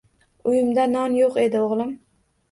Uyimda non yo’q edi, o’g’lim